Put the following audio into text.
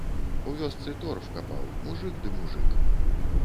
У вёсцы торф капаў, мужык ды мужык.